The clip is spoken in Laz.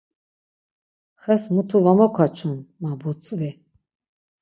Xes mutu var mokaçun, ma butzvi.